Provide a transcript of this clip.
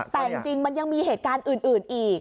แต่จริงมันยังมีเหตุการณ์อื่นอีก